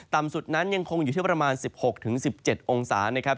ต่ำสุดนั้นยังคงอยู่ที่ประมาณ๑๖๑๗องศานะครับ